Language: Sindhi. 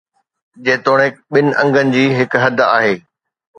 جيتوڻيڪ ٻن انگن جي هڪ حد آهي.